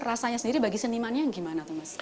rasanya sendiri bagi seniman nya gimana mas